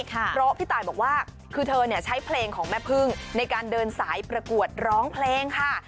เพราะพี่ตายบอกว่าคือเธอใช้เพลงของแม่พึ่งในการเดินสายประกวดร้องเพลงค่ะ